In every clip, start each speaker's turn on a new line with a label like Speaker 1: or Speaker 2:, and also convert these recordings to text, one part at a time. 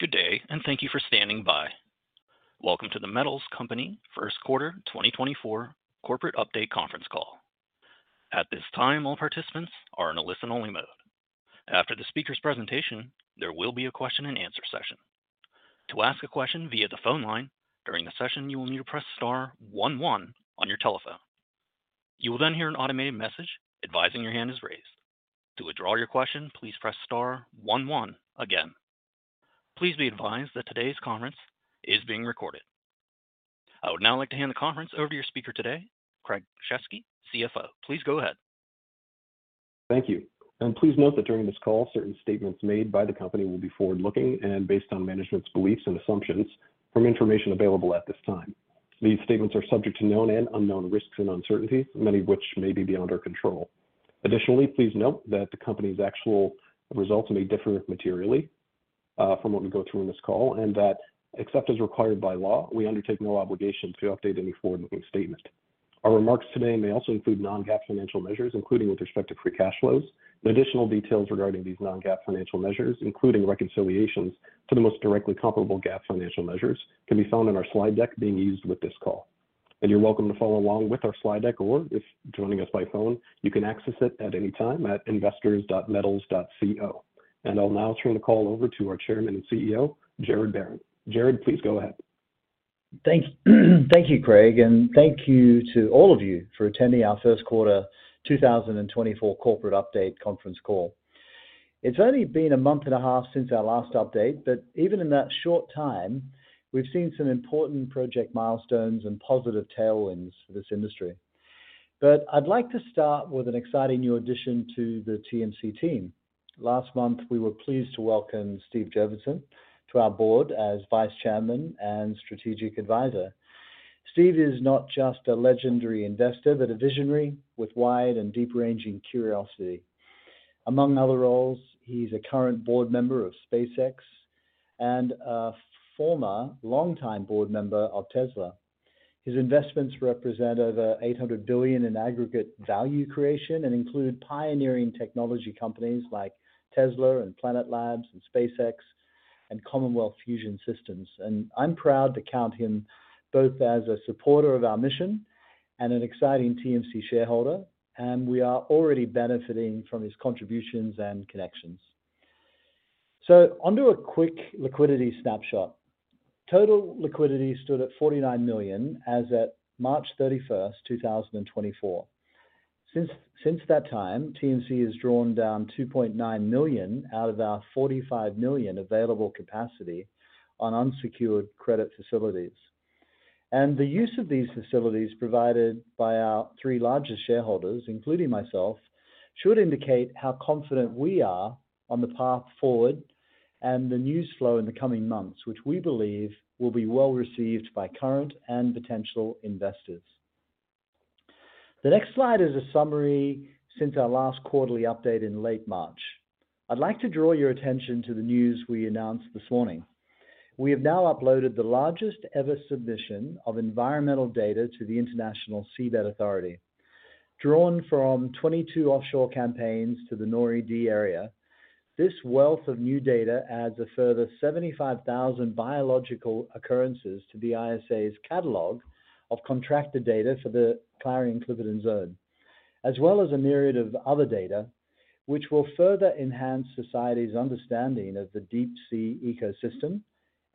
Speaker 1: Good day and thank you for standing by. Welcome to The Metals Company First Quarter 2024 Corporate Update Conference Call. At this time, all participants are in a listen-only mode. After the speaker's presentation, there will be a question-and-answer session. To ask a question via the phone line, during the session you will need to press star one one on your telephone. You will then hear an automated message advising your hand is raised. To withdraw your question, please press star one one again. Please be advised that today's conference is being recorded. I would now like to hand the conference over to your speaker today, Craig Shesky, CFO. Please go ahead.
Speaker 2: Thank you. Please note that during this call, certain statements made by the company will be forward-looking and based on management's beliefs and assumptions from information available at this time. These statements are subject to known and unknown risks and uncertainties, many of which may be beyond our control. Additionally, please note that the company's actual results may differ materially from what we go through in this call, and that except as required by law, we undertake no obligation to update any forward-looking statement. Our remarks today may also include non-GAAP financial measures, including with respect to free cash flows. Additional details regarding these non-GAAP financial measures, including reconciliations to the most directly comparable GAAP financial measures, can be found in our slide deck being used with this call. You're welcome to follow along with our slide deck, or if joining us by phone, you can access it at any time at investors.metals.co. I'll now turn the call over to our Chairman and CEO, Gerard Barron. Gerard, please go ahead.
Speaker 3: Thank you, Craig. Thank you to all of you for attending our First Quarter 2024 Corporate Update Conference Call. It's only been a month and a half since our last update, but even in that short time, we've seen some important project milestones and positive tailwinds for this industry. I'd like to start with an exciting new addition to the TMC team. Last month, we were pleased to welcome Steve Jurvetson to our board as Vice Chairman and Strategic Advisor. Steve is not just a legendary investor, but a visionary with wide and deep-ranging curiosity. Among other roles, he's a current board member of SpaceX and a former, longtime board member of Tesla. His investments represent over $800 billion in aggregate value creation and include pioneering technology companies like Tesla and Planet Labs and SpaceX and Commonwealth Fusion Systems. I'm proud to count him both as a supporter of our mission and an exciting TMC shareholder, and we are already benefiting from his contributions and connections. Onto a quick liquidity snapshot. Total liquidity stood at $49 million as of March 31st, 2024. Since that time, TMC has drawn down $2.9 million out of our $45 million available capacity on unsecured credit facilities. And the use of these facilities provided by our three largest shareholders, including myself, should indicate how confident we are on the path forward and the news flow in the coming months, which we believe will be well-received by current and potential investors. The next slide is a summary since our last quarterly update in late March. I'd like to draw your attention to the news we announced this morning. We have now uploaded the largest-ever submission of environmental data to the International Seabed Authority. Drawn from 22 offshore campaigns to the NORI-D area, this wealth of new data adds a further 75,000 biological occurrences to the ISA's catalog of contracted data for the Clarion-Clipperton Zone, as well as a myriad of other data, which will further enhance society's understanding of the deep-sea ecosystem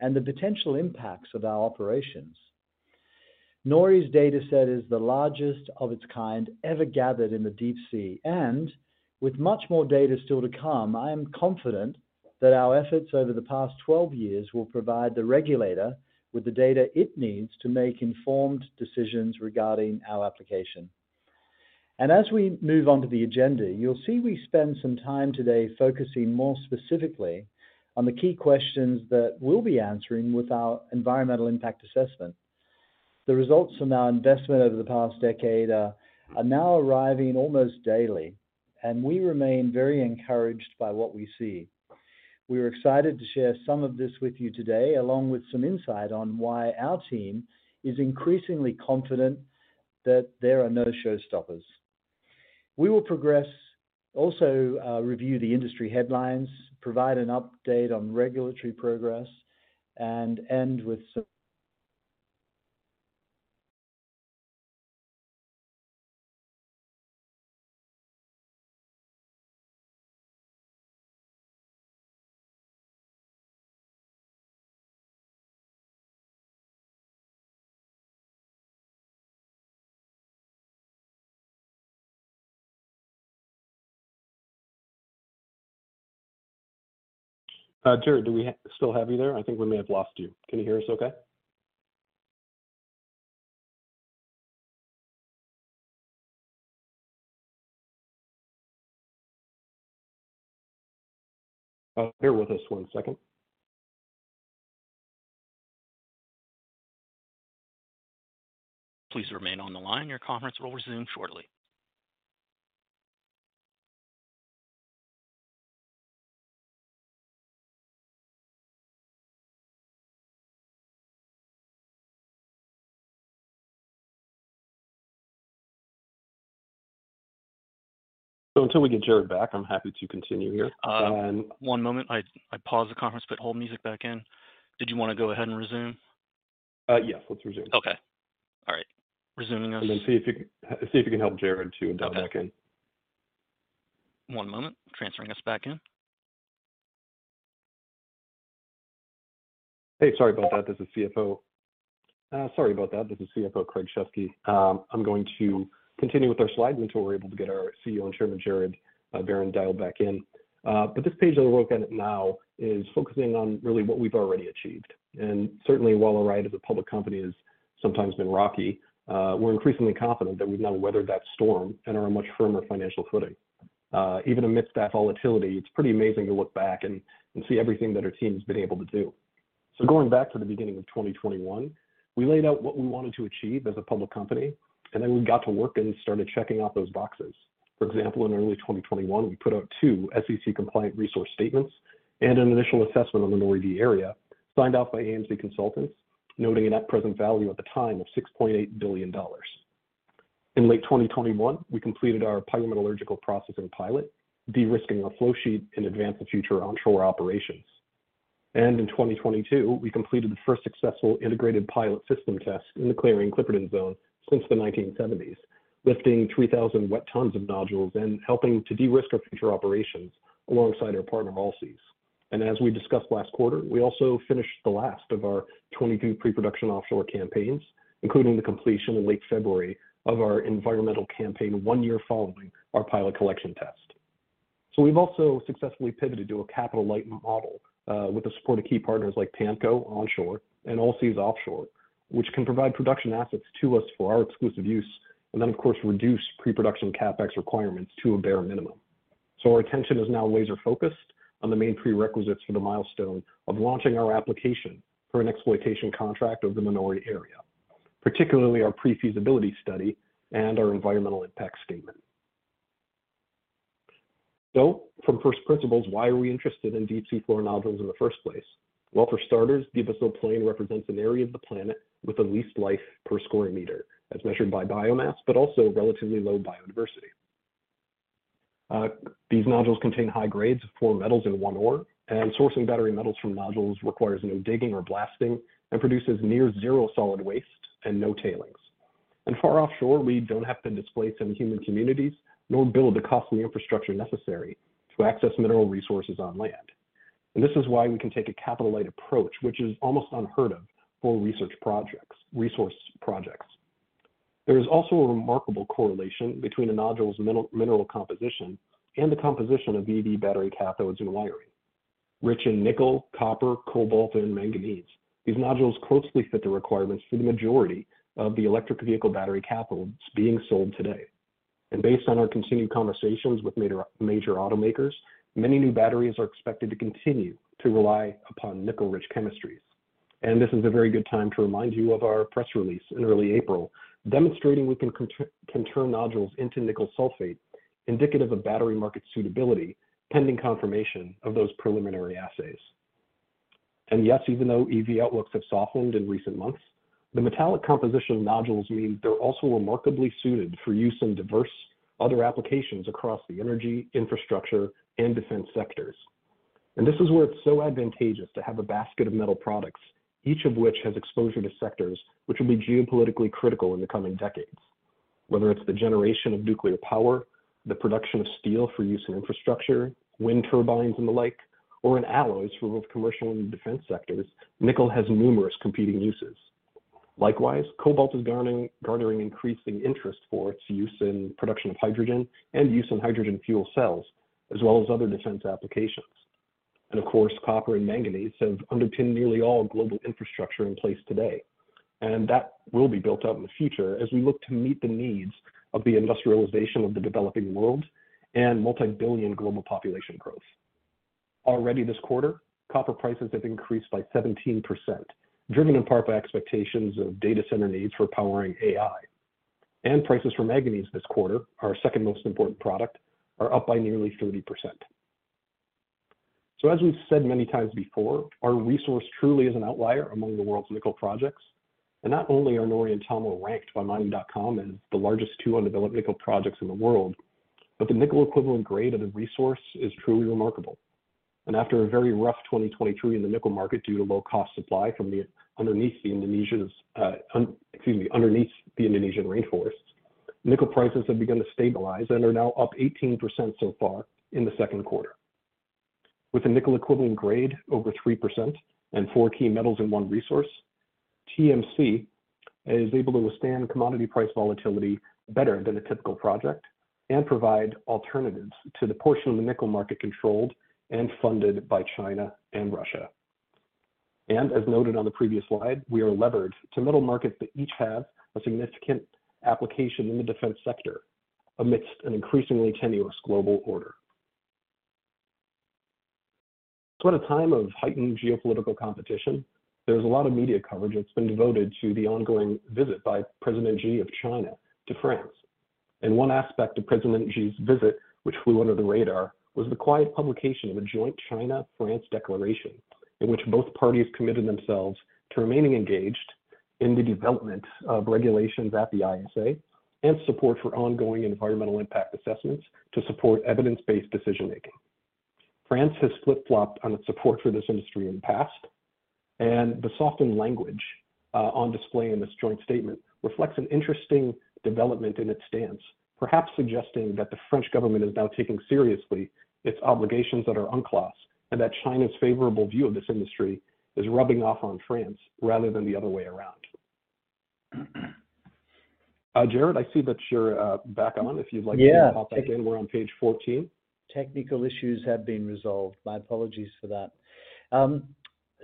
Speaker 3: and the potential impacts of our operations. NORI's dataset is the largest of its kind ever gathered in the deep sea, and with much more data still to come, I am confident that our efforts over the past 12 years will provide the regulator with the data it needs to make informed decisions regarding our application. As we move onto the agenda, you'll see we spend some time today focusing more specifically on the key questions that we'll be answering with our environmental impact assessment. The results from our investment over the past decade are now arriving almost daily, and we remain very encouraged by what we see. We are excited to share some of this with you today, along with some insight on why our team is increasingly confident that there are no showstoppers. We will progress, also review the industry headlines, provide an update on regulatory progress, and end with some.
Speaker 2: Gerard, do we still have you there? I think we may have lost you. Can you hear us okay? Bear with us one second.
Speaker 1: Please remain on the line. Your conference will resume shortly.
Speaker 2: Until we get Gerard back, I'm happy to continue here.
Speaker 1: One moment. I paused the conference, but hold music back in. Did you want to go ahead and resume?
Speaker 2: Yes, let's resume.
Speaker 1: Okay. All right. Resuming us.
Speaker 2: And then see if you can help Gerard too and dial back in.
Speaker 1: One moment. Transferring us back in.
Speaker 2: Hey, sorry about that. This is CFO. Sorry about that. This is CFO Craig Shesky. I'm going to continue with our slides until we're able to get our CEO and chairman, Gerard Barron, dialed back in. But this page that we're looking at now is focusing on really what we've already achieved. And certainly, while our ride as a public company has sometimes been rocky, we're increasingly confident that we've now weathered that storm and are on much firmer financial footing. Even amidst that volatility, it's pretty amazing to look back and see everything that our team has been able to do. So going back to the beginning of 2021, we laid out what we wanted to achieve as a public company, and then we got to work and started checking off those boxes. For example, in early 2021, we put out two SEC-compliant resource statements and an initial assessment on the NORI-D area, signed off by AMC Consultants, noting an net present value at the time of $6.8 billion. In late 2021, we completed our pyrometallurgical processing pilot, de-risking our flowsheet and advanced the future onshore operations. And in 2022, we completed the first successful integrated pilot system test in the Clarion-Clipperton Zone since the 1970s, lifting 3,000 wet tons of nodules and helping to de-risk our future operations alongside our partner, Allseas. And as we discussed last quarter, we also finished the last of our 22 pre-production offshore campaigns, including the completion in late February of our environmental campaign one year following our pilot collection test. So we've also successfully pivoted to a capital-light model with the support of key partners like PAMCO onshore and Allseas offshore, which can provide production assets to us for our exclusive use and then, of course, reduce pre-production CapEx requirements to a bare minimum. So our attention is now laser-focused on the main prerequisites for the milestone of launching our application for an exploitation contract over the NORI area, particularly our pre-feasibility study and our environmental impact statement. So from first principles, why are we interested in deep-sea floor nodules in the first place? Well, for starters, the abyssal plain represents an area of the planet with the least life per square meter as measured by biomass, but also relatively low biodiversity. These nodules contain high grades of four metals in one ore, and sourcing battery metals from nodules requires no digging or blasting and produces near-zero solid waste and no tailings. Far offshore, we don't have to displace any human communities nor build the costly infrastructure necessary to access mineral resources on land. This is why we can take a capital-light approach, which is almost unheard of for research projects, resource projects. There is also a remarkable correlation between a nodule's mineral composition and the composition of EV battery cathodes and wiring. Rich in nickel, copper, cobalt, and manganese, these nodules closely fit the requirements for the majority of the electric vehicle battery cathodes being sold today. Based on our continued conversations with major automakers, many new batteries are expected to continue to rely upon nickel-rich chemistries. This is a very good time to remind you of our press release in early April demonstrating we can turn nodules into nickel sulfate, indicative of battery market suitability pending confirmation of those preliminary assays. And yes, even though EV outlooks have softened in recent months, the metallic composition of nodules means they're also remarkably suited for use in diverse other applications across the energy, infrastructure, and defense sectors. And this is where it's so advantageous to have a basket of metal products, each of which has exposure to sectors which will be geopolitically critical in the coming decades. Whether it's the generation of nuclear power, the production of steel for use in infrastructure, wind turbines, and the like, or in alloys for both commercial and defense sectors, nickel has numerous competing uses. Likewise, cobalt is garnering increasing interest for its use in production of hydrogen and use in hydrogen fuel cells, as well as other defense applications. Of course, copper and manganese have underpinned nearly all global infrastructure in place today. That will be built up in the future as we look to meet the needs of the industrialization of the developing world and multi-billion global population growth. Already this quarter, copper prices have increased by 17%, driven in part by expectations of data center needs for powering AI. Prices for manganese this quarter, our second most important product, are up by nearly 30%. As we've said many times before, our resource truly is an outlier among the world's nickel projects. And not only are NORI and TOML ranked by Mining.com as the largest two undeveloped nickel projects in the world, but the nickel equivalent grade of the resource is truly remarkable. And after a very rough 2023 in the nickel market due to low-cost supply from underneath the Indonesian rainforest, nickel prices have begun to stabilize and are now up 18% so far in the second quarter. With a nickel equivalent grade over 3% and four key metals in one resource, TMC is able to withstand commodity price volatility better than a typical project and provide alternatives to the portion of the nickel market controlled and funded by China and Russia. And as noted on the previous slide, we are levered to metal markets that each have a significant application in the defense sector amidst an increasingly tenuous global order. So at a time of heightened geopolitical competition, there's a lot of media coverage that's been devoted to the ongoing visit by President Xi of China to France. One aspect of President Xi's visit, which flew under the radar, was the quiet publication of a joint China-France declaration in which both parties committed themselves to remaining engaged in the development of regulations at the ISA and support for ongoing environmental impact assessments to support evidence-based decision-making. France has flip-flopped on its support for this industry in the past. The softened language on display in this joint statement reflects an interesting development in its stance, perhaps suggesting that the French government is now taking seriously its obligations that are UNCLOS and that China's favorable view of this industry is rubbing off on France rather than the other way around. Gerard, I see that you're back on. If you'd like to pop back in, we're on page 14.
Speaker 3: Technical issues have been resolved. My apologies for that.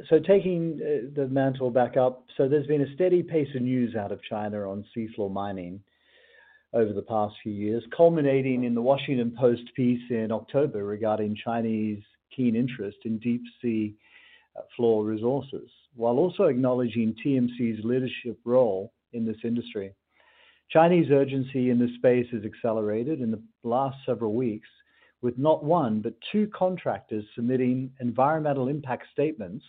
Speaker 3: So taking the mantle back up, so there's been a steady pace of news out of China on seafloor mining over the past few years, culminating in the Washington Post piece in October regarding Chinese keen interest in deep-sea floor resources, while also acknowledging TMC's leadership role in this industry. Chinese urgency in this space has accelerated in the last several weeks with not one, but two contractors submitting environmental impact statements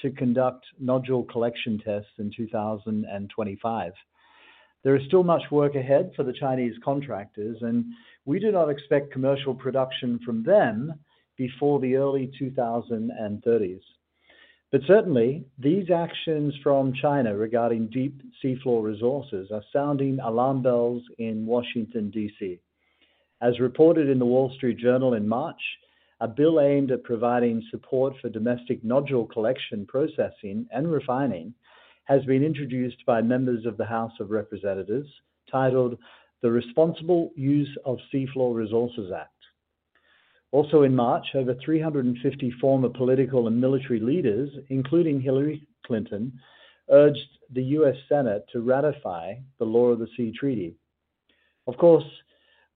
Speaker 3: to conduct nodule collection tests in 2025. There is still much work ahead for the Chinese contractors, and we do not expect commercial production from them before the early 2030s. But certainly, these actions from China regarding deep seafloor resources are sounding alarm bells in Washington, D.C. As reported in The Wall Street Journal in March, a bill aimed at providing support for domestic nodule collection, processing, and refining has been introduced by members of the House of Representatives titled The Responsible Use of Seafloor Resources Act. Also in March, over 350 former political and military leaders, including Hillary Clinton, urged the U.S. Senate to ratify the Law of the Sea Treaty. Of course,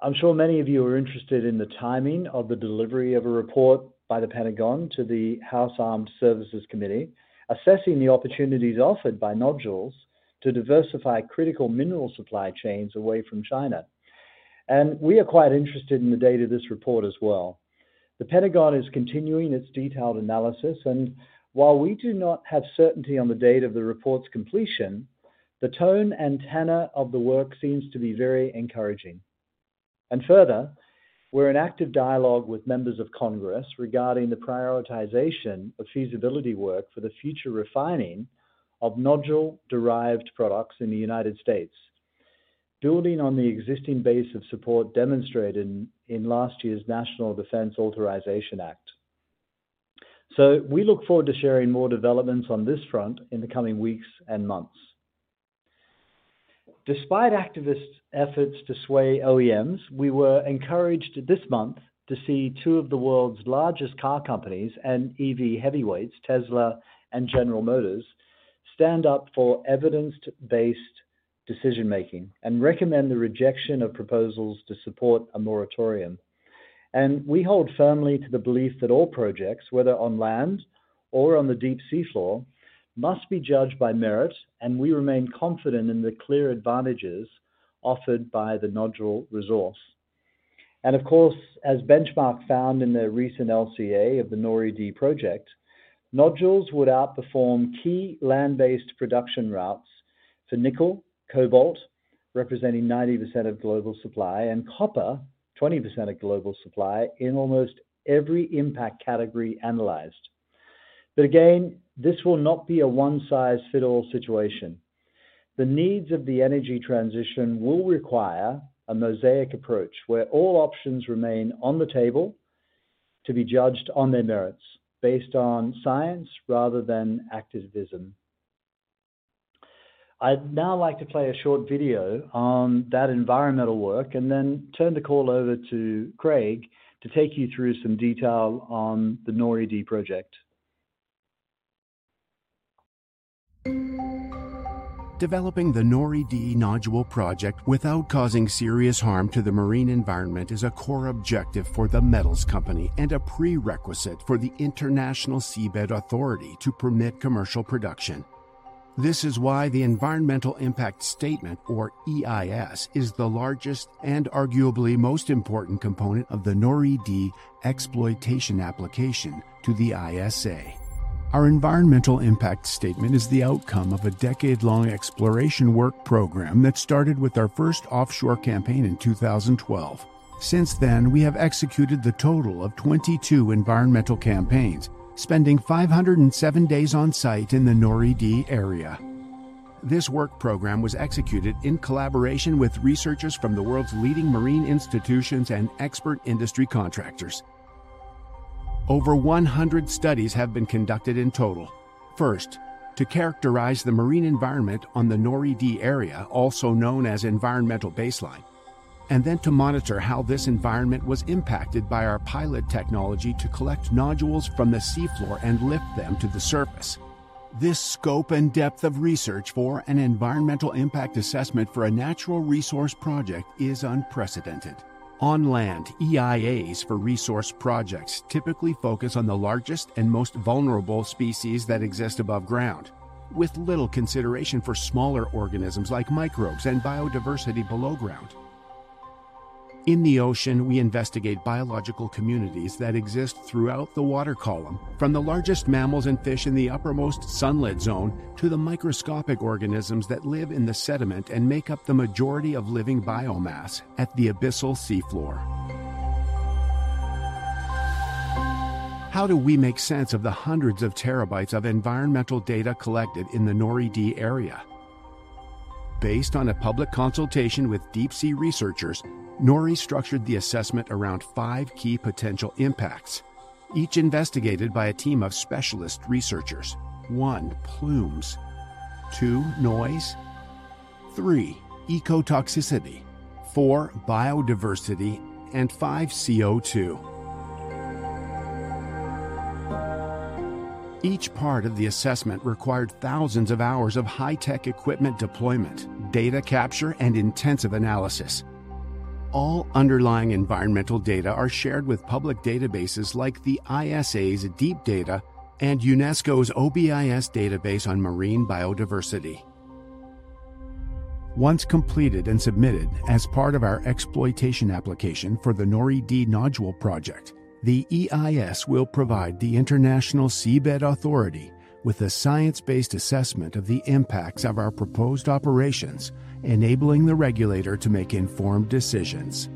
Speaker 3: I'm sure many of you are interested in the timing of the delivery of a report by the Pentagon to the House Armed Services Committee assessing the opportunities offered by nodules to diversify critical mineral supply chains away from China. And we are quite interested in the date of this report as well. The Pentagon is continuing its detailed analysis, and while we do not have certainty on the date of the report's completion, the tone and tenor of the work seems to be very encouraging. Further, we're in active dialogue with members of Congress regarding the prioritization of feasibility work for the future refining of nodule-derived products in the United States, building on the existing base of support demonstrated in last year's National Defense Authorization Act. We look forward to sharing more developments on this front in the coming weeks and months. Despite activists' efforts to sway OEMs, we were encouraged this month to see two of the world's largest car companies and EV heavyweights, Tesla and General Motors, stand up for evidence-based decision-making and recommend the rejection of proposals to support a moratorium. We hold firmly to the belief that all projects, whether on land or on the deep seafloor, must be judged by merit, and we remain confident in the clear advantages offered by the nodule resource. And of course, as Benchmark found in their recent LCA of the NORI-D project, nodules would outperform key land-based production routes for nickel, cobalt, representing 90% of global supply, and copper, 20% of global supply in almost every impact category analyzed. But again, this will not be a one-size-fits-all situation. The needs of the energy transition will require a mosaic approach where all options remain on the table to be judged on their merits based on science rather than activism. I'd now like to play a short video on that environmental work and then turn the call over to Craig to take you through some detail on the NORI-D project.
Speaker 4: Developing the NORI-D nodule project without causing serious harm to the marine environment is a core objective for The Metals Company and a prerequisite for the International Seabed Authority to permit commercial production. This is why the Environmental Impact Statement, or EIS, is the largest and arguably most important component of the NORI-D exploitation application to the ISA. Our Environmental Impact Statement is the outcome of a decade-long exploration work program that started with our first offshore campaign in 2012. Since then, we have executed the total of 22 environmental campaigns, spending 507 days on site in the NORI-D area. This work program was executed in collaboration with researchers from the world's leading marine institutions and expert industry contractors. Over 100 studies have been conducted in total, first to characterize the marine environment on the NORI-D area, also known as environmental baseline, and then to monitor how this environment was impacted by our pilot technology to collect nodules from the seafloor and lift them to the surface. This scope and depth of research for an environmental impact assessment for a natural resource project is unprecedented. On land, EIAs for resource projects typically focus on the largest and most vulnerable species that exist above ground, with little consideration for smaller organisms like microbes and biodiversity below ground. In the ocean, we investigate biological communities that exist throughout the water column, from the largest mammals and fish in the uppermost sunlit zone to the microscopic organisms that live in the sediment and make up the majority of living biomass at the abyssal seafloor. How do we make sense of the hundreds of terabytes of environmental data collected in the NORI-D area? Based on a public consultation with deep-sea researchers, NORI structured the assessment around 5 key potential impacts, each investigated by a team of specialist researchers. 1, plumes. 2, noise. 3, ecotoxicity. 4, biodiversity. And 5, CO2. Each part of the assessment required thousands of hours of high-tech equipment deployment, data capture, and intensive analysis. All underlying environmental data are shared with public databases like the ISA's DeepData and UNESCO's OBIS database on marine biodiversity. Once completed and submitted as part of our exploitation application for the NORI-D nodule project, the EIS will provide the International Seabed Authority with a science-based assessment of the impacts of our proposed operations, enabling the regulator to make informed decisions.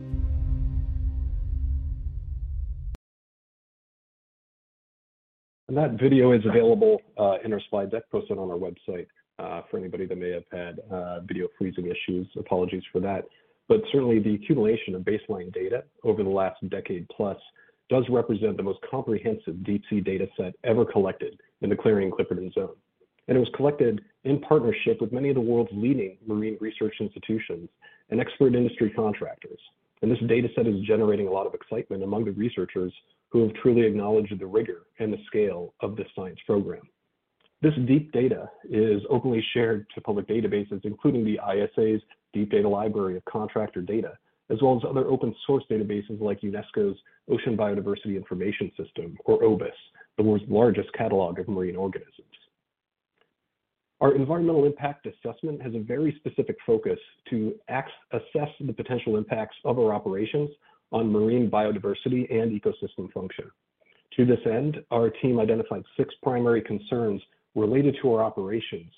Speaker 2: That video is available in our slide deck posted on our website for anybody that may have had video freezing issues. Apologies for that. But certainly, the accumulation of baseline data over the last decade-plus does represent the most comprehensive deep-sea dataset ever collected in the Clarion-Clipperton Zone. It was collected in partnership with many of the world's leading marine research institutions and expert industry contractors. This dataset is generating a lot of excitement among the researchers who have truly acknowledged the rigor and the scale of this science program. This deep data is openly shared to public databases, including the ISA's DeepData Library of Contractor Data, as well as other open-source databases like UNESCO's Ocean Biodiversity Information System, or OBIS, the world's largest catalog of marine organisms. Our environmental impact assessment has a very specific focus to assess the potential impacts of our operations on marine biodiversity and ecosystem function. To this end, our team identified six primary concerns related to our operations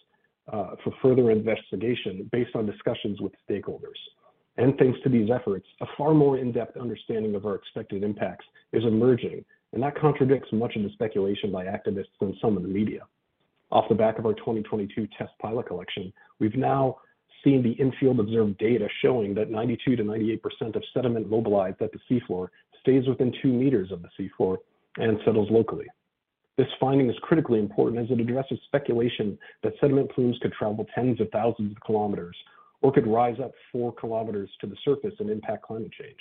Speaker 2: for further investigation based on discussions with stakeholders. Thanks to these efforts, a far more in-depth understanding of our expected impacts is emerging, and that contradicts much of the speculation by activists and some of the media. Off the back of our 2022 test pilot collection, we've now seen the in-field observed data showing that 92%-98% of sediment mobilized at the seafloor stays within two meters of the seafloor and settles locally. This finding is critically important as it addresses speculation that sediment plumes could travel tens of thousands of kilometers or could rise up four kilometers to the surface and impact climate change.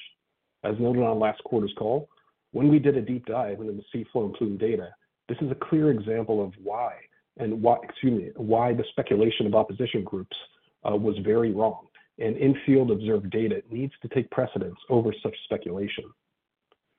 Speaker 2: As noted on last quarter's call, when we did a deep dive into the seafloor and plume data, this is a clear example of why the speculation of opposition groups was very wrong. In-field observed data needs to take precedence over such speculation.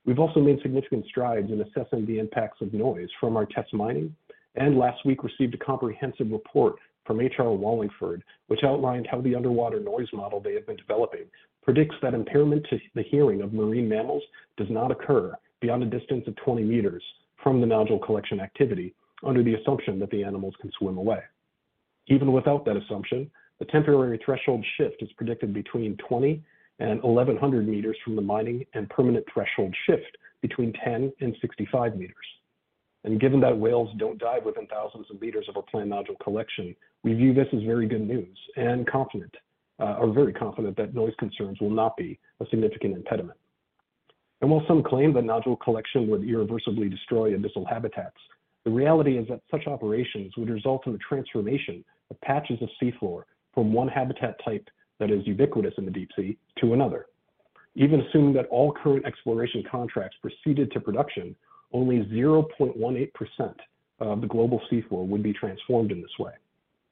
Speaker 2: We've also made significant strides in assessing the impacts of noise from our test mining and last week received a comprehensive report from HR Wallingford, which outlined how the underwater noise model they have been developing predicts that impairment to the hearing of marine mammals does not occur beyond a distance of 20 meters from the nodule collection activity under the assumption that the animals can swim away. Even without that assumption, the temporary threshold shift is predicted between 20-1,100 meters from the mining and permanent threshold shift between 10-65 meters. Given that whales don't dive within thousands of meters of our planned nodule collection, we view this as very good news and confident, or very confident, that noise concerns will not be a significant impediment. While some claim that nodule collection would irreversibly destroy abyssal habitats, the reality is that such operations would result in a transformation of patches of seafloor from one habitat type that is ubiquitous in the deep sea to another. Even assuming that all current exploration contracts proceeded to production, only 0.18% of the global seafloor would be transformed in this way.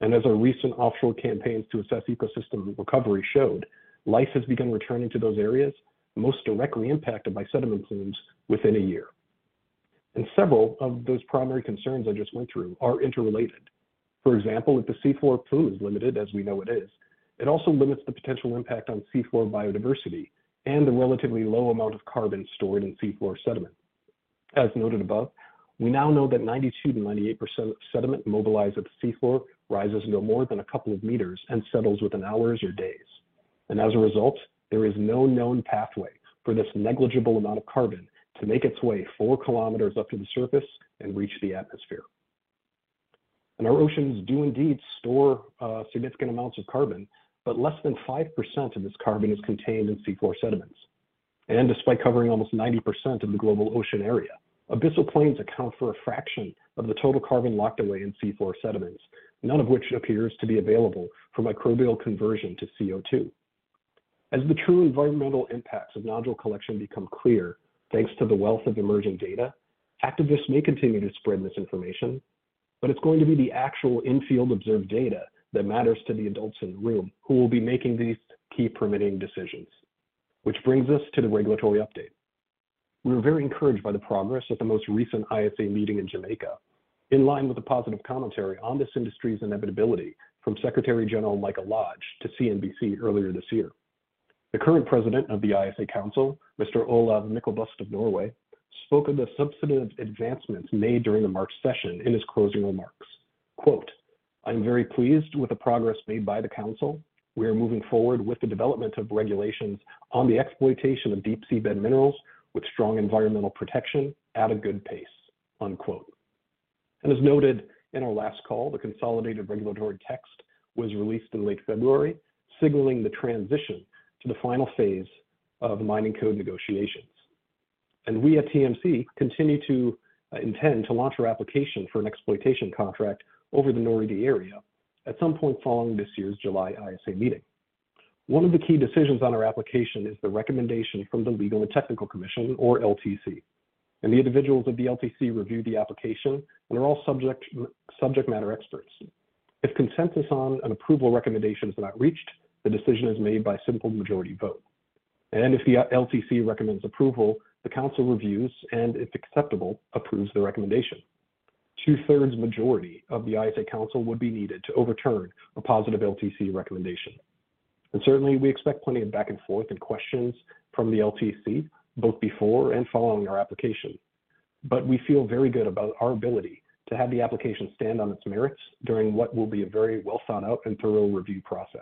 Speaker 2: As our recent offshore campaigns to assess ecosystem recovery showed, life has begun returning to those areas, most directly impacted by sediment plumes, within a year. Several of those primary concerns I just went through are interrelated. For example, if the seafloor plume is limited as we know it is, it also limits the potential impact on seafloor biodiversity and the relatively low amount of carbon stored in seafloor sediment. As noted above, we now know that 92%-98% of sediment mobilized at the seafloor rises no more than a couple of meters and settles within hours or days. And as a result, there is no known pathway for this negligible amount of carbon to make its way four kilometers up to the surface and reach the atmosphere. And our oceans do indeed store significant amounts of carbon, but less than 5% of this carbon is contained in seafloor sediments. And despite covering almost 90% of the global ocean area, abyssal plains account for a fraction of the total carbon locked away in seafloor sediments, none of which appears to be available for microbial conversion to CO2. As the true environmental impacts of nodule collection become clear thanks to the wealth of emerging data, activists may continue to spread misinformation, but it's going to be the actual in-field observed data that matters to the adults in the room who will be making these key permitting decisions. Which brings us to the regulatory update. We were very encouraged by the progress at the most recent ISA meeting in Jamaica, in line with a positive commentary on this industry's inevitability from Secretary General Michael Lodge to CNBC earlier this year. The current president of the ISA Council, Mr. Olav Myklebust of Norway spoke of the substantive advancements made during the March session in his closing remarks. "I am very pleased with the progress made by the Council. We are moving forward with the development of regulations on the exploitation of deep seabed minerals with strong environmental protection at a good pace." As noted in our last call, the consolidated regulatory text was released in late February, signaling the transition to the final phase of mining code negotiations. We at TMC continue to intend to launch our application for an exploitation contract over the NORI-D area at some point following this year's July ISA meeting. One of the key decisions on our application is the recommendation from the Legal and Technical Commission, or LTC. The individuals of the LTC review the application and are all subject matter experts. If consensus on an approval recommendation is not reached, the decision is made by simple majority vote. If the LTC recommends approval, the Council reviews and, if acceptable, approves the recommendation. Two-thirds majority of the ISA Council would be needed to overturn a positive LTC recommendation. Certainly, we expect plenty of back and forth and questions from the LTC, both before and following our application. But we feel very good about our ability to have the application stand on its merits during what will be a very well-thought-out and thorough review process.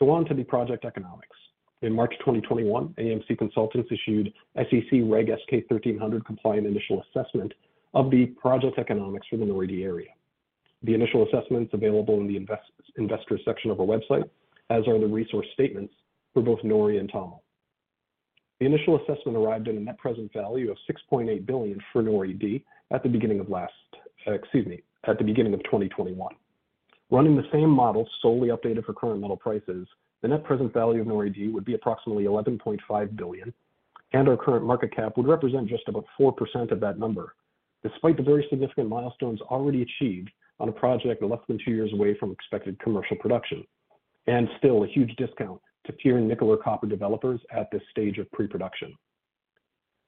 Speaker 2: On to the project economics. In March 2021, AMC Consultants issued SEC Reg. S-K 1300 compliant initial assessment of the project economics for the NORI-D area. The initial assessment is available in the investor section of our website, as are the resource statements for both NORI and TOML. The initial assessment arrived at a net present value of $6.8 billion for NORI-D at the beginning of 2021. Running the same model solely updated for current metal prices, the net present value of NORI-D would be approximately $11.5 billion. Our current market cap would represent just about 4% of that number, despite the very significant milestones already achieved on a project less than two years away from expected commercial production. Still, a huge discount to pure nickel or copper developers at this stage of pre-production.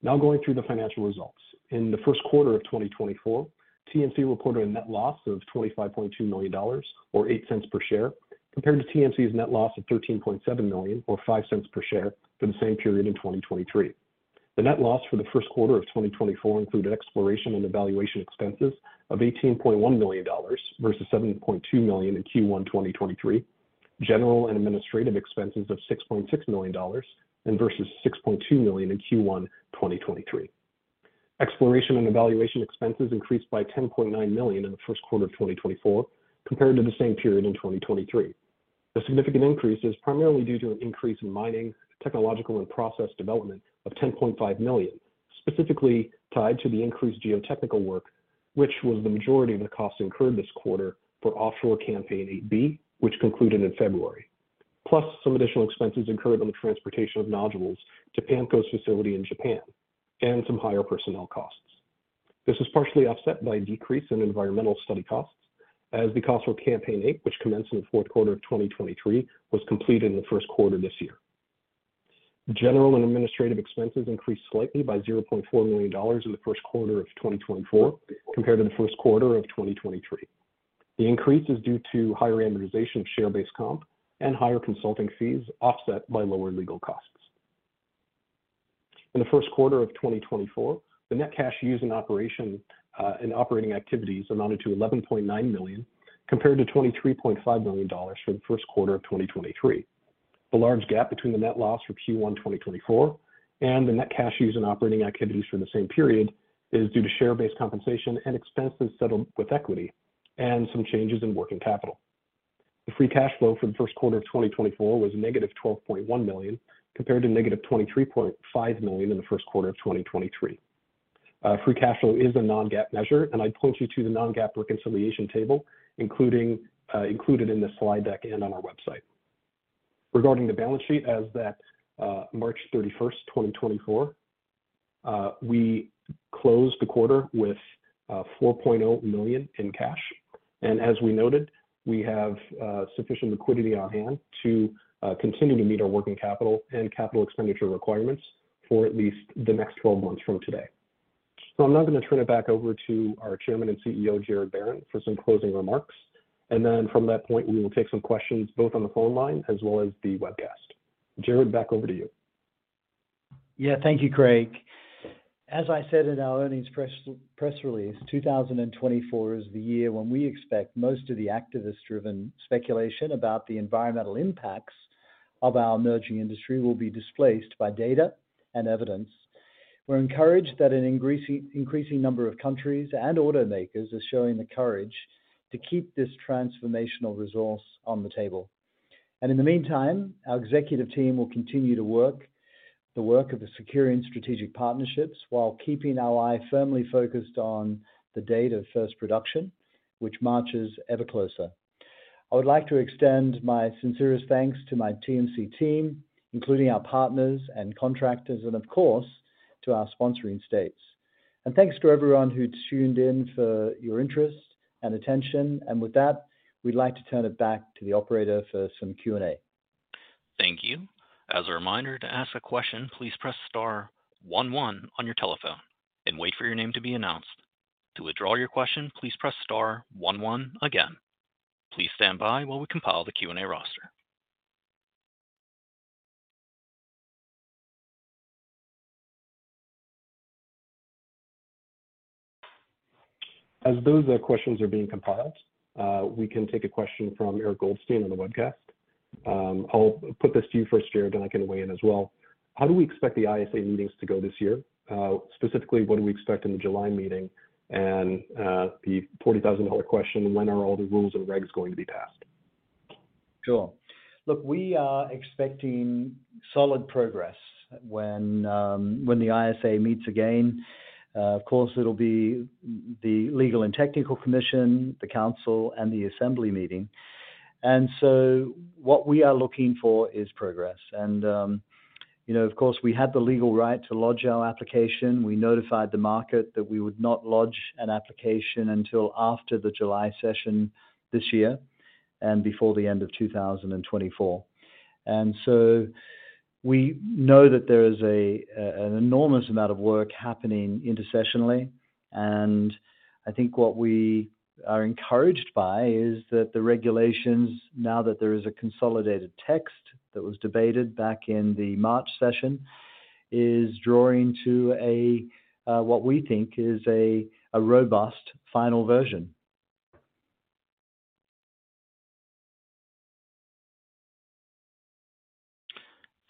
Speaker 2: Now going through the financial results. In the first quarter of 2024, TMC reported a net loss of $25.2 million, or $0.08 per share, compared to TMC's net loss of $13.7 million, or $0.05 per share, for the same period in 2023. The net loss for the first quarter of 2024 included exploration and evaluation expenses of $18.1 million versus $7.2 million in Q1 2023, general and administrative expenses of $6.6 million versus $6.2 million in Q1 2023. Exploration and evaluation expenses increased by $10.9 million in the first quarter of 2024, compared to the same period in 2023. The significant increase is primarily due to an increase in mining, technological, and process development of $10.5 million, specifically tied to the increased geotechnical work, which was the majority of the costs incurred this quarter for offshore campaign 8B, which concluded in February. Plus, some additional expenses incurred on the transportation of nodules to PAMCO's facility in Japan, and some higher personnel costs. This is partially offset by a decrease in environmental study costs, as the cost for campaign 8, which commenced in the fourth quarter of 2023, was completed in the first quarter this year. General and administrative expenses increased slightly by $0.4 million in the first quarter of 2024, compared to the first quarter of 2023. The increase is due to higher amortization of share-based comp and higher consulting fees offset by lower legal costs. In the first quarter of 2024, the net cash used in operation and operating activities amounted to $11.9 million, compared to $23.5 million for the first quarter of 2023. The large gap between the net loss for Q1 2024 and the net cash used in operating activities for the same period is due to share-based compensation and expenses settled with equity and some changes in working capital. The free cash flow for the first quarter of 2024 was negative $12.1 million, compared to negative $23.5 million in the first quarter of 2023. Free cash flow is a non-GAAP measure, and I'd point you to the non-GAAP reconciliation table included in the slide deck and on our website. Regarding the balance sheet, as of March 31st, 2024, we closed the quarter with $4.0 million in cash. And as we noted, we have sufficient liquidity on hand to continue to meet our working capital and capital expenditure requirements for at least the next 12 months from today. So I'm now going to turn it back over to our chairman and CEO, Gerard Barron, for some closing remarks. And then from that point, we will take some questions both on the phone line as well as the webcast. Gerard, back over to you.
Speaker 3: Yeah, thank you, Craig. As I said in our earnings press release, 2024 is the year when we expect most of the activist-driven speculation about the environmental impacts of our emerging industry will be displaced by data and evidence. We're encouraged that an increasing number of countries and automakers are showing the courage to keep this transformational resource on the table. And in the meantime, our executive team will continue to work the work of the securing strategic partnerships while keeping our eye firmly focused on the date of first production, which marches ever closer. I would like to extend my sincerest thanks to my TMC team, including our partners and contractors, and of course, to our sponsoring states. And thanks to everyone who tuned in for your interest and attention. And with that, we'd like to turn it back to the operator for some Q&A.
Speaker 1: Thank you. As a reminder, to ask a question, please press star one one on your telephone and wait for your name to be announced. To withdraw your question, please press star one one again. Please stand by while we compile the Q&A roster.
Speaker 2: As those questions are being compiled, we can take a question from Eric Goldstein on the webcast. I'll put this to you first, Gerard, and I can weigh in as well. How do we expect the ISA meetings to go this year? Specifically, what do we expect in the July meeting and the $40,000 question, when are all the rules and regs going to be passed?
Speaker 3: Sure. Look, we are expecting solid progress when the ISA meets again. Of course, it'll be the Legal and Technical Commission, the Council, and the Assembly meeting. And so what we are looking for is progress. And of course, we had the legal right to lodge our application. We notified the market that we would not lodge an application until after the July session this year and before the end of 2024. And so we know that there is an enormous amount of work happening intersessionally. And I think what we are encouraged by is that the regulations, now that there is a consolidated text that was debated back in the March session, is drawing to what we think is a robust final version.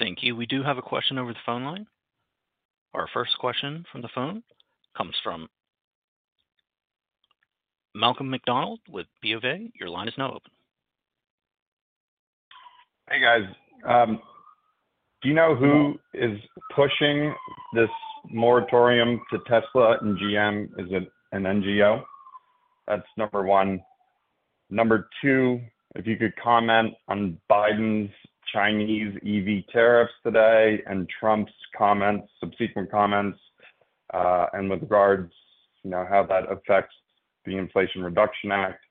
Speaker 1: Thank you. We do have a question over the phone line. Our first question from the phone comes from Malcolm MacDonald with Bank of America. Your line is now open.
Speaker 5: Hey, guys. Do you know who is pushing this moratorium to Tesla and GM? Is it an NGO? That's number 1. Number 2, if you could comment on Biden's Chinese EV tariffs today and Trump's comments, subsequent comments, and with regards to how that affects the Inflation Reduction Act,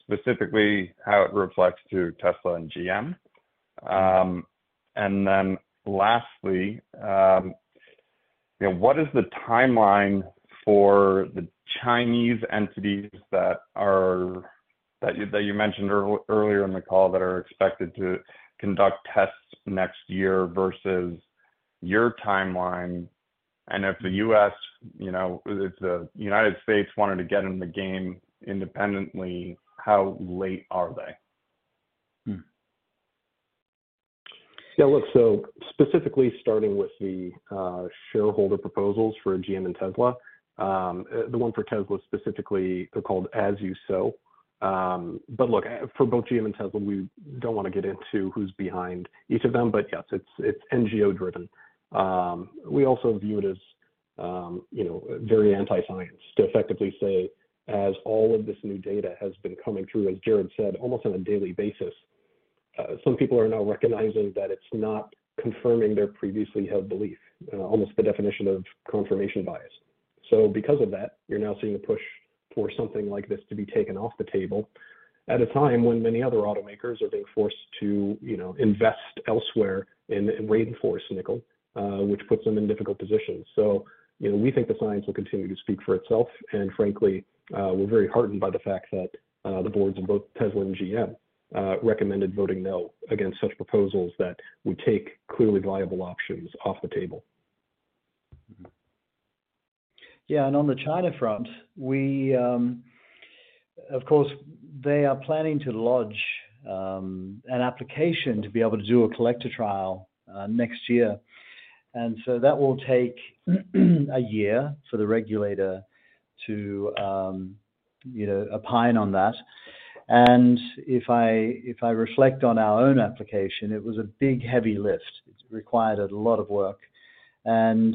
Speaker 5: specifically how it reflects to Tesla and GM. And then lastly, what is the timeline for the Chinese entities that you mentioned earlier in the call that are expected to conduct tests next year versus your timeline? And if the US, if the United States wanted to get in the game independently, how late are they?
Speaker 2: Yeah, look, so specifically starting with the shareholder proposals for GM and Tesla, the one for Tesla specifically, they're called As You Sow. But look, for both GM and Tesla, we don't want to get into who's behind each of them, but yes, it's NGO-driven. We also view it as very anti-science to effectively say, as all of this new data has been coming through, as Gerard said, almost on a daily basis, some people are now recognizing that it's not confirming their previously held belief, almost the definition of confirmation bias. So because of that, you're now seeing the push for something like this to be taken off the table at a time when many other automakers are being forced to invest elsewhere and reinforce nickel, which puts them in difficult positions. So we think the science will continue to speak for itself. Frankly, we're very heartened by the fact that the boards of both Tesla and GM recommended voting no against such proposals that would take clearly viable options off the table.
Speaker 3: Yeah, and on the China front, of course, they are planning to lodge an application to be able to do a collector trial next year. So that will take a year for the regulator to opine on that. And if I reflect on our own application, it was a big, heavy lift. It required a lot of work. And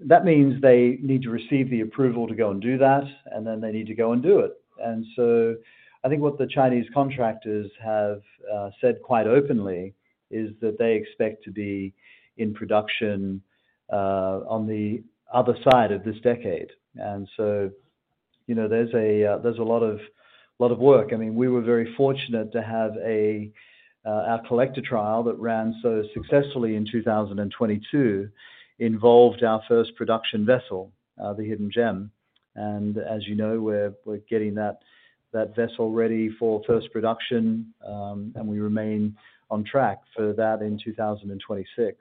Speaker 3: that means they need to receive the approval to go and do that, and then they need to go and do it. So I think what the Chinese contractors have said quite openly is that they expect to be in production on the other side of this decade. So there's a lot of work. I mean, we were very fortunate to have our collector trial that ran so successfully in 2022 involved our first production vessel, the Hidden Gem. As you know, we're getting that vessel ready for first production, and we remain on track for that in 2026.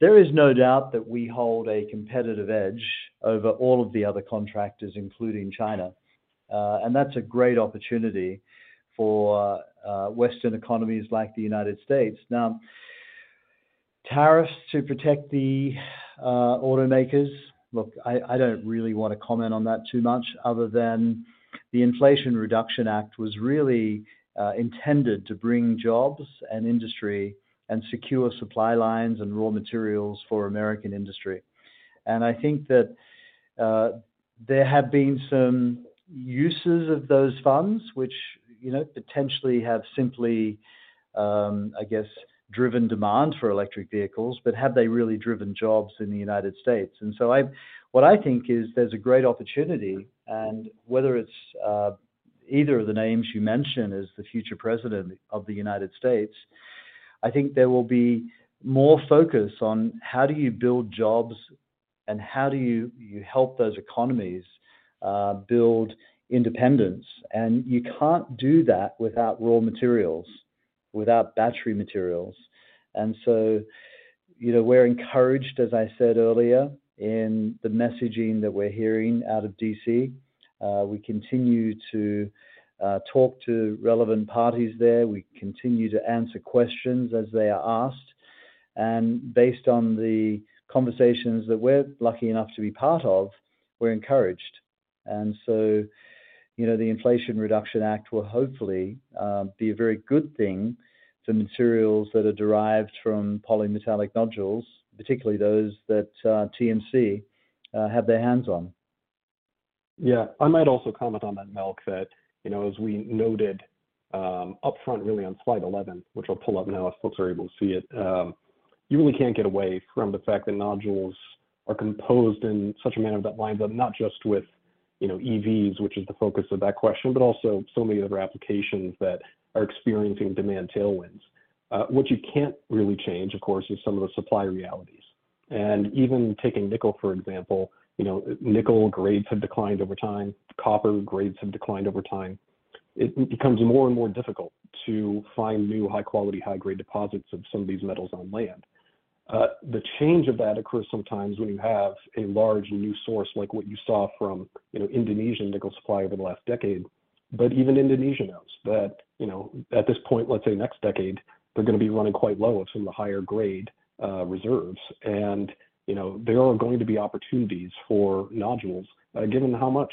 Speaker 3: There is no doubt that we hold a competitive edge over all of the other contractors, including China. That's a great opportunity for Western economies like the United States. Now, tariffs to protect the automakers, look, I don't really want to comment on that too much other than the Inflation Reduction Act was really intended to bring jobs and industry and secure supply lines and raw materials for American industry. I think that there have been some uses of those funds, which potentially have simply, I guess, driven demand for electric vehicles, but have they really driven jobs in the United States? What I think is there's a great opportunity. Whether it's either of the names you mention as the future president of the United States, I think there will be more focus on how do you build jobs and how do you help those economies build independence? You can't do that without raw materials, without battery materials. We're encouraged, as I said earlier, in the messaging that we're hearing out of D.C. We continue to talk to relevant parties there. We continue to answer questions as they are asked. Based on the conversations that we're lucky enough to be part of, we're encouraged. The Inflation Reduction Act will hopefully be a very good thing for materials that are derived from polymetallic nodules, particularly those that TMC have their hands on.
Speaker 2: Yeah, I might also comment on that, Malcolm, that as we noted upfront, really on slide 11, which I'll pull up now if folks are able to see it, you really can't get away from the fact that nodules are composed in such a manner that lines up not just with EVs, which is the focus of that question, but also so many other applications that are experiencing demand tailwinds. What you can't really change, of course, is some of the supply realities. And even taking nickel, for example, nickel grades have declined over time. Copper grades have declined over time. It becomes more and more difficult to find new high-quality, high-grade deposits of some of these metals on land. The change of that occurs sometimes when you have a large new source like what you saw from Indonesian nickel supply over the last decade. But even Indonesia knows that at this point, let's say next decade, they're going to be running quite low of some of the higher-grade reserves. And there are going to be opportunities for nodules given how much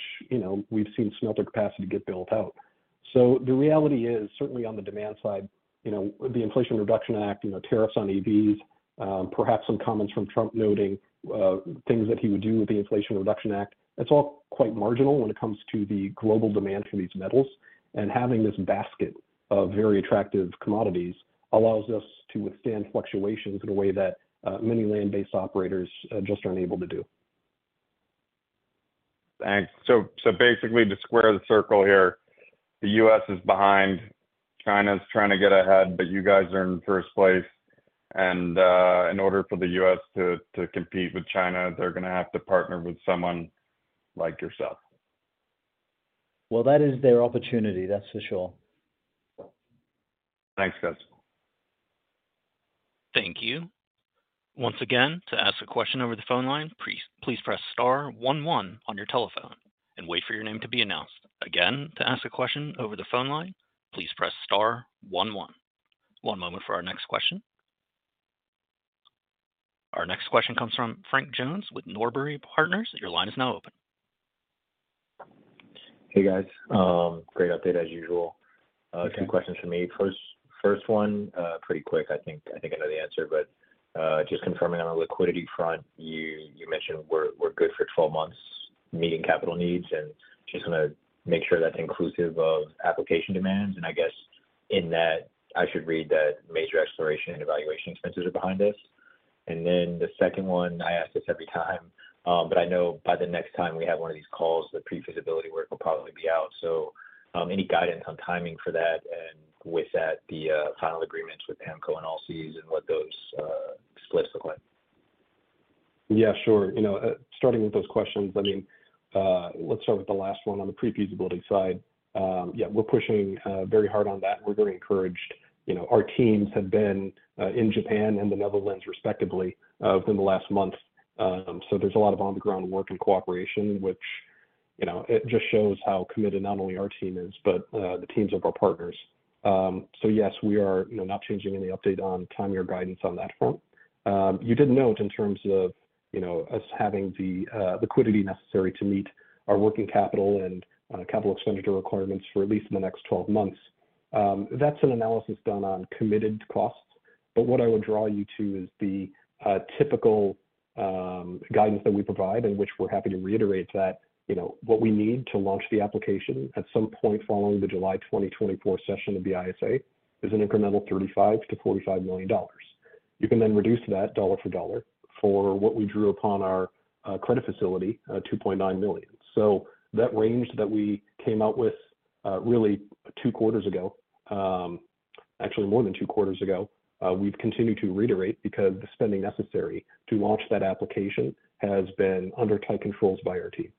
Speaker 2: we've seen smelter capacity get built out. So the reality is, certainly on the demand side, the Inflation Reduction Act, tariffs on EVs, perhaps some comments from Trump noting things that he would do with the Inflation Reduction Act, it's all quite marginal when it comes to the global demand for these metals. And having this basket of very attractive commodities allows us to withstand fluctuations in a way that many land-based operators just aren't able to do.
Speaker 5: Thanks. So basically, to square the circle here, the U.S. is behind. China's trying to get ahead, but you guys are in first place. And in order for the U.S. to compete with China, they're going to have to partner with someone like yourself.
Speaker 3: Well, that is their opportunity. That's for sure.
Speaker 5: Thanks, guys.
Speaker 1: Thank you. Once again, to ask a question over the phone line, please press star one one on your telephone and wait for your name to be announced. Again, to ask a question over the phone line, please press star one one. One moment for our next question. Our next question comes from Frank Jones with Norbury Partners. Your line is now open.
Speaker 6: Hey, guys. Great update as usual. Two questions for me. First one, pretty quick. I think I know the answer, but just confirming on the liquidity front, you mentioned we're good for 12 months meeting capital needs. And just want to make sure that's inclusive of application demands. And I guess in that, I should read that major exploration and evaluation expenses are behind us. And then the second one, I ask this every time, but I know by the next time we have one of these calls, the pre-feasibility work will probably be out. So any guidance on timing for that and with that, the final agreements with PAMCO and Allseas and what those splits look like?
Speaker 2: Yeah, sure. Starting with those questions, I mean, let's start with the last one on the pre-feasibility side. Yeah, we're pushing very hard on that. We're very encouraged. Our teams have been in Japan and the Netherlands, respectively, within the last month. So there's a lot of on-the-ground work and cooperation, which it just shows how committed not only our team is, but the teams of our partners. So yes, we are not changing any update on time-year guidance on that front. You did note in terms of us having the liquidity necessary to meet our working capital and capital expenditure requirements for at least the next 12 months. That's an analysis done on committed costs. But what I would draw you to is the typical guidance that we provide, in which we're happy to reiterate that what we need to launch the application at some point following the July 2024 session of the ISA is an incremental $35-$45 million. You can then reduce that dollar for dollar for what we drew upon our credit facility, $2.9 million. So that range that we came out with really two quarters ago, actually more than two quarters ago, we've continued to reiterate because the spending necessary to launch that application has been under tight controls by our team.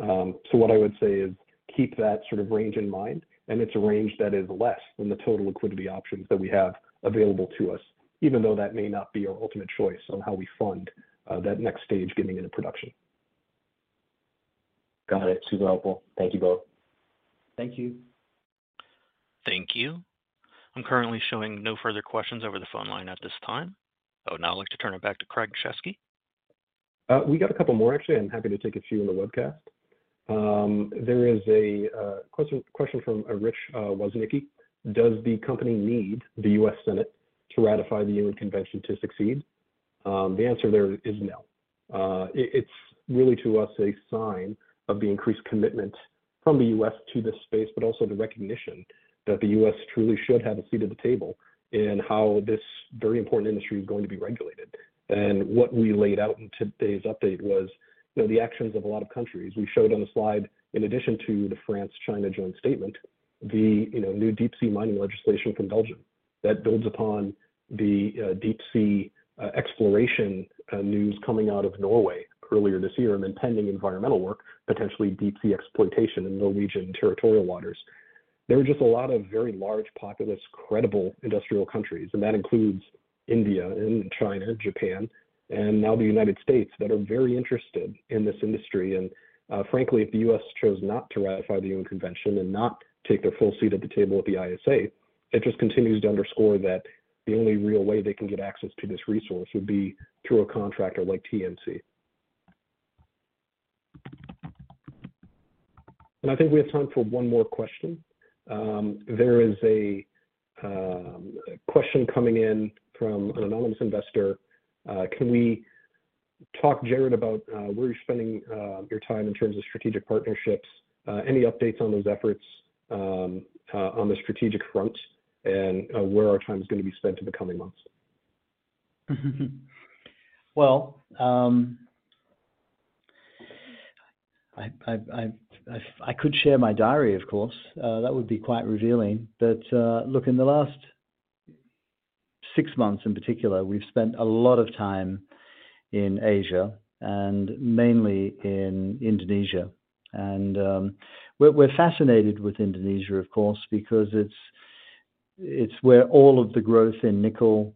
Speaker 2: So what I would say is keep that sort of range in mind. It's a range that is less than the total liquidity options that we have available to us, even though that may not be our ultimate choice on how we fund that next stage getting into production.
Speaker 6: Got it. Super helpful. Thank you both.
Speaker 2: Thank you.
Speaker 1: Thank you. I'm currently showing no further questions over the phone line at this time. Oh, now I'd like to turn it back to Craig Shesky.
Speaker 2: We got a couple more, actually. I'm happy to take a few in the webcast. There is a question from Rich Wozniaki. Does the company need the U.S. Senate to ratify the U.N. Convention to succeed? The answer there is no. It's really to us a sign of the increased commitment from the U.S. to this space, but also the recognition that the U.S. truly should have a seat at the table in how this very important industry is going to be regulated. What we laid out in today's update was the actions of a lot of countries. We showed on the slide, in addition to the France-China joint statement, the new deep-sea mining legislation from Belgium that builds upon the deep-sea exploration news coming out of Norway earlier this year and impending environmental work, potentially deep-sea exploitation in Norwegian territorial waters. There are just a lot of very large, populous, credible industrial countries. That includes India and China, Japan, and now the United States that are very interested in this industry. Frankly, if the U.S. chose not to ratify the UN Convention and not take their full seat at the table at the ISA, it just continues to underscore that the only real way they can get access to this resource would be through a contractor like TMC. I think we have time for one more question. There is a question coming in from an anonymous investor. Can we talk, Gerard, about where you're spending your time in terms of strategic partnerships, any updates on those efforts on the strategic front, and where our time is going to be spent in the coming months?
Speaker 3: Well, I could share my diary, of course. That would be quite revealing. But look, in the last six months in particular, we've spent a lot of time in Asia and mainly in Indonesia. And we're fascinated with Indonesia, of course, because it's where all of the growth in nickel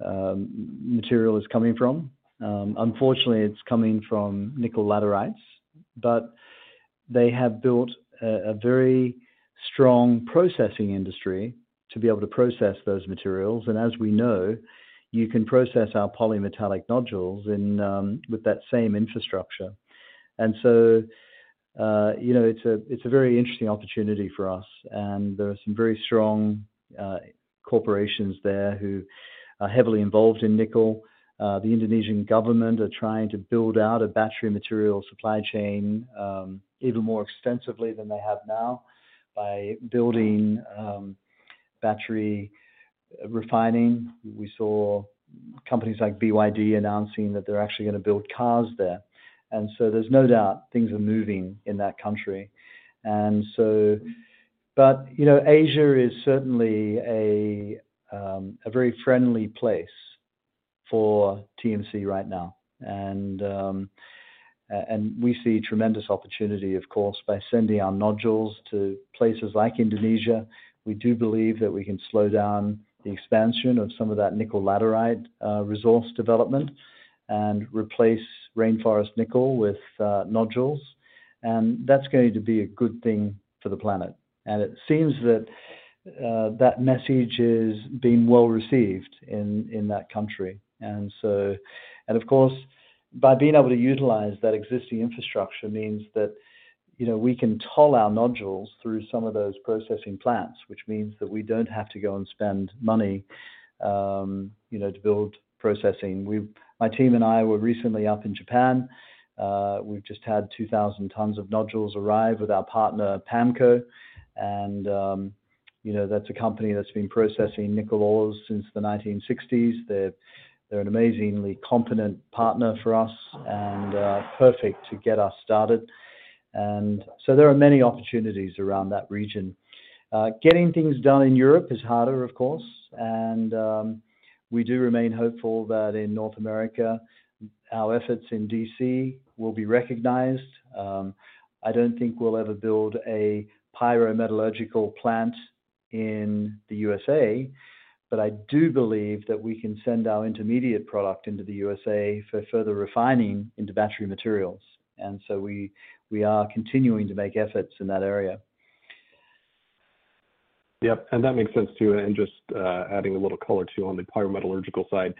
Speaker 3: material is coming from. Unfortunately, it's coming from nickel laterites. But they have built a very strong processing industry to be able to process those materials. And as we know, you can process our polymetallic nodules with that same infrastructure. And so it's a very interesting opportunity for us. And there are some very strong corporations there who are heavily involved in nickel. The Indonesian government are trying to build out a battery material supply chain even more extensively than they have now by building battery refining. We saw companies like BYD announcing that they're actually going to build cars there. And so there's no doubt things are moving in that country. But Asia is certainly a very friendly place for TMC right now. And we see tremendous opportunity, of course, by sending our nodules to places like Indonesia. We do believe that we can slow down the expansion of some of that nickel laterite resource development and replace rainforest nickel with nodules. And that's going to be a good thing for the planet. And it seems that that message is being well received in that country. And of course, by being able to utilize that existing infrastructure means that we can toll our nodules through some of those processing plants, which means that we don't have to go and spend money to build processing. My team and I were recently up in Japan. We've just had 2,000 tons of nodules arrive with our partner, PAMCO. That's a company that's been processing nickel ores since the 1960s. They're an amazingly competent partner for us and perfect to get us started. So there are many opportunities around that region. Getting things done in Europe is harder, of course. We do remain hopeful that in North America, our efforts in D.C. will be recognized. I don't think we'll ever build a pyrometallurgical plant in the USA. But I do believe that we can send our intermediate product into the USA for further refining into battery materials. So we are continuing to make efforts in that area.
Speaker 2: Yep. And that makes sense too. And just adding a little color too on the pyrometallurgical side,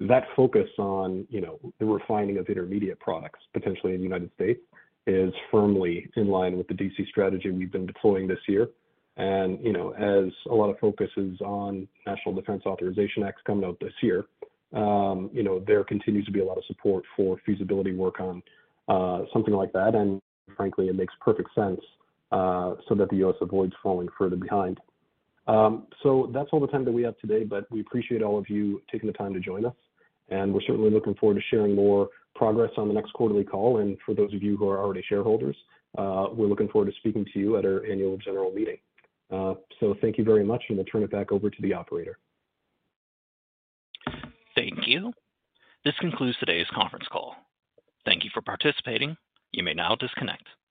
Speaker 2: that focus on the refining of intermediate products, potentially in the United States, is firmly in line with the DC strategy we've been deploying this year. And as a lot of focus is on National Defense Authorization Act coming out this year, there continues to be a lot of support for feasibility work on something like that. And frankly, it makes perfect sense so that the U.S. avoids falling further behind. So that's all the time that we have today. But we appreciate all of you taking the time to join us. And we're certainly looking forward to sharing more progress on the next quarterly call. And for those of you who are already shareholders, we're looking forward to speaking to you at our annual general meeting. So thank you very much. I'll turn it back over to the operator.
Speaker 1: Thank you. This concludes today's conference call. Thank you for participating. You may now disconnect.